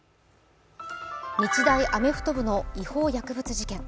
日大アメフト部の違法薬物事件。